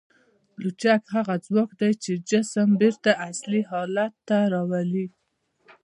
لچک هغه ځواک دی چې جسم بېرته اصلي حالت ته راولي.